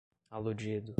aludido